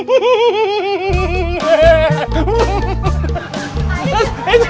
eh jadi dipanggil